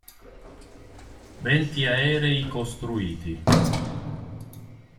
Venti aerei costruiti.